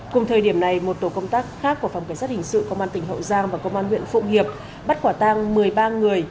cùng thời điểm này một tổ công tác khác của phòng cảnh sát hình sự công an tỉnh hậu giang và công an huyện phụng hiệp bắt quả tang một mươi ba người